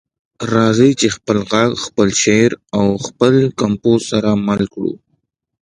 راځئ چې خپل غږ، خپل شعر او خپل کمپوز سره مل کړو.